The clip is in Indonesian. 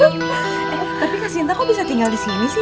tapi kasinta kok bisa tinggal disini sih